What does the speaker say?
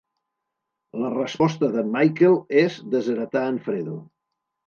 La resposta d'en Michael és desheretar en Fredo.